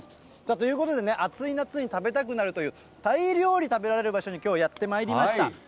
ということで、暑い夏に食べたくなるという、タイ料理食べられる場所にきょうやって参りました。